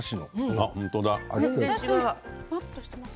ふわっとしてます。